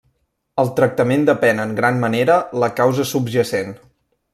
El tractament depèn en gran manera la causa subjacent.